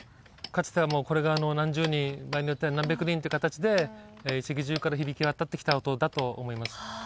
つてはもうこれが何十人場合によっては何百人という形で遺跡中から響き渡ってきた音だと思います